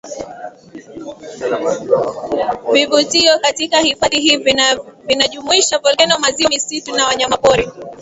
vivutio katika hifadhi hii vinajumuisha volkeno maziwa misitu na wanyamapori